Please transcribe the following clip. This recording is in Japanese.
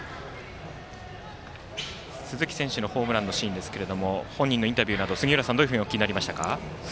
鈴木選手のホームランのシーンですけど本人のインタビューなど杉浦さん、どのようにお聞きになりましたか？